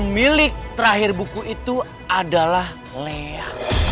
milik terakhir buku itu adalah lea